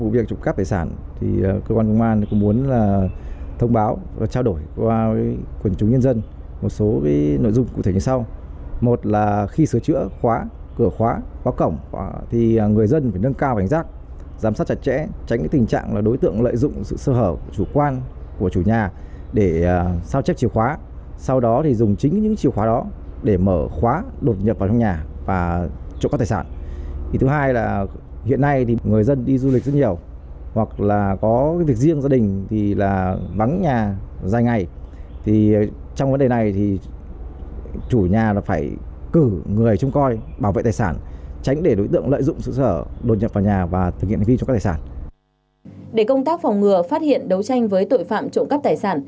để công tác phòng ngừa phát hiện đấu tranh với tội phạm trộm cắt tài sản